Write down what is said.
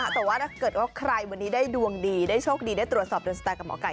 แต่ว่าถ้าเกิดว่าใครวันนี้ได้ดวงดีได้โชคดีได้ตรวจสอบโดนสตาร์กับหมอไก่